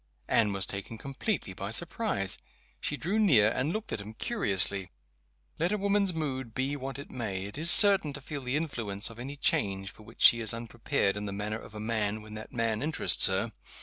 Anne was taken completely by surprise. She drew near, and looked at him curiously. Let a woman's mood be what it may, it is certain to feel the influence of any change for which she is unprepared in the manner of a man when that man interests her.